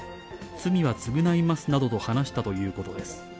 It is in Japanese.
罪は償いますなどと話したということです。